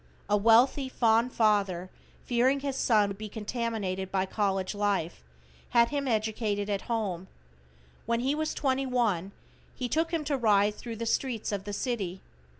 A wealthy, fond father, fearing his son would be contaminated by college life, had him educated at home. When he was twenty one, he took him to ride thru the streets of the city.